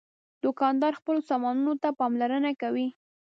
دوکاندار خپلو سامانونو ته پاملرنه کوي.